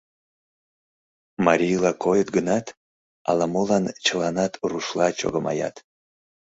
Марийла койыт гынат, ала-молан чыланат рушла чогымаят.